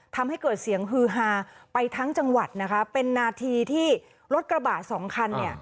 ทำให้เกิดเสียงฮือฮาไปทั้งจังหวัดนะคะเป็นนาทีที่รถกระบะสองคันเนี่ย